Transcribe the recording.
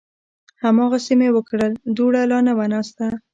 هماغسې مې وکړل، دوړه لا نه وه ناسته